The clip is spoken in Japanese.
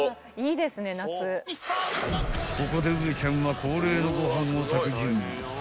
［ここでウエちゃんは恒例のご飯を炊く準備］